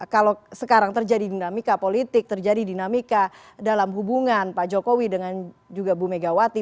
kalau sekarang terjadi dinamika politik terjadi dinamika dalam hubungan pak jokowi dengan juga bu megawati